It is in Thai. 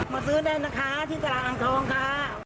ซื้อได้นะคะที่ตลาดอ่างทองค่ะ